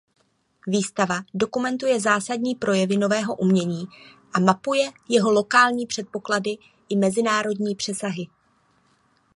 Výstava dokumentuje zásadní projevy nového umění a mapuje jeho lokální předpoklady i mezinárodní přesahy.